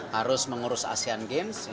harus mengurus asean games